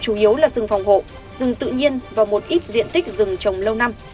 chủ yếu là rừng phòng hộ rừng tự nhiên và một ít diện tích rừng trồng lâu năm